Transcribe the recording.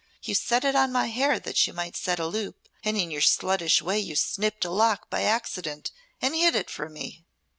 You set it on my hair that you might set a loop and in your sluttish way you snipped a lock by accident and hid it from me."